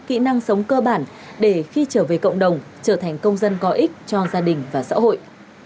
kỹ năng sống cơ bản để khi trở về cộng đồng trở thành công dân có ích cho gia đình và xã hội